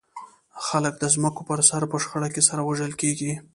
خلک د ځمکو پر سر په شخړه کې سره وژل کېږي.